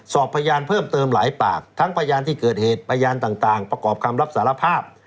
สอบพยานเพิ่มเติมหลายปากทั้งพยานที่เกิดเหตุพยานต่างประกอบคำรับสารภาพ